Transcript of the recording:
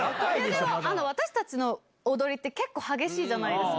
でも私たちの踊りって結構激しいじゃないですか。